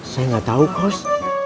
saya gak tau kos